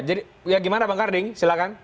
jadi ya gimana bang karding silahkan